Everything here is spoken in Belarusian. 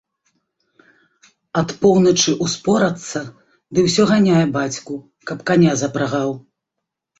Ад поўначы ўспорацца ды ўсё ганяе бацьку, каб каня запрагаў.